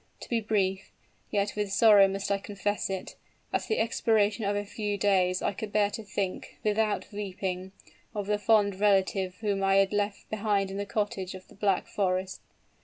To be brief, yet with sorrow must I confess it, at the expiration of a few days I could bear to think, without weeping, of the fond relative whom I had left behind in the cottage of the Black Forest!